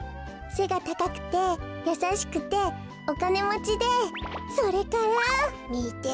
せがたかくてやさしくておかねもちでそれから。みて。